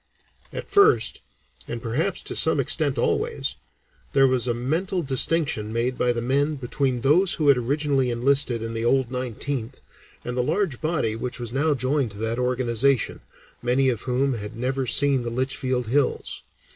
At first, and perhaps to some extent always, there was a mental distinction made by the men between those who had originally enlisted in the "old Nineteenth," and the large body which was now joined to that organization, many of whom had never seen the Litchfield hills.